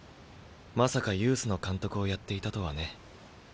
まさかユースの監督をやっていたとはね。